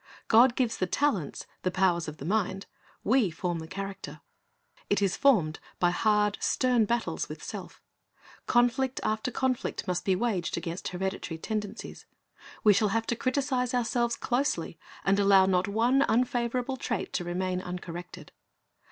God gives the talents, the powers of the mind; we form the character. It is formed by hard, stern battles with self Conflict after conflict must be waged against hereditary tendencies. We shall have to criticize ourselves closely, and allow not one unfavorable trait to remain uncorrected.